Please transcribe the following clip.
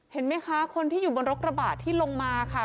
เห็นไหมคะคนที่อยู่บนรถกระบะที่ลงมาค่ะ